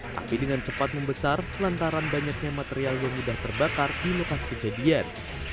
tapi dengan cepat membesar pelantaran banyaknya material yang sudah terbakar di lokasi kejadian